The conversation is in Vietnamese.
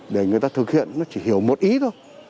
để người ta thực hiện nó chỉ hiểu một ý thôi